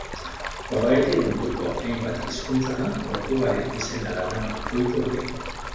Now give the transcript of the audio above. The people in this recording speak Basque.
Horregatik munduko hainbat hizkuntzatan Portugalen izena darama fruitu honek.